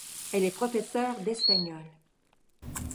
Elle est professeure d'Espagnol.